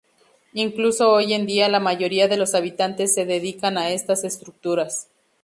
Incluso hoy en día, la mayoría de los habitantes se dedican a estas estructuras.